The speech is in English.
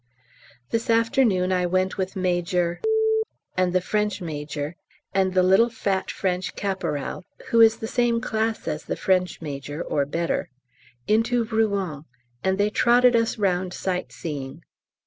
This afternoon I went with Major and the French Major and the little fat French Caporal (who is the same class as the French Major or better) into Rouen, and they trotted us round sight seeing.